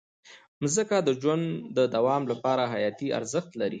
مځکه د ژوند د دوام لپاره حیاتي ارزښت لري.